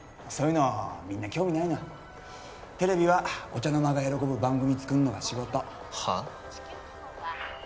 そういうのみんな興味ないのテレビはお茶の間が喜ぶ番組作るのが仕事はあ？